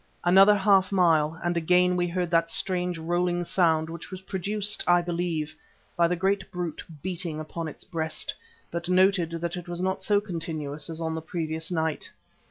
Another half mile and again we heard that strange rolling sound which was produced, I believe, by the great brute beating upon its breast, but noted that it was not so continuous as on the previous night.